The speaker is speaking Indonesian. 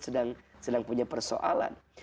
sedang punya persoalan